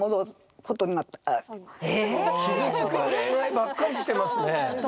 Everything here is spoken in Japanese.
傷つく恋愛ばっかりしてますね。